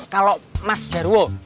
kalau mas jarwo